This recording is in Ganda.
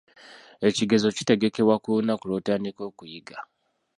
Ekigezo kitegekebwa ku lunaku lw'otandika okuyiga.